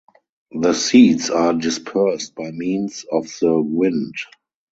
The seeds are dispersed by means of the wind.